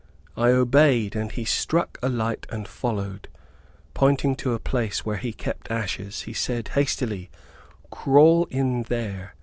I obeyed, and he struck a light and followed. Pointing to a place where he kept ashes, he said hastily, "Crawl in there."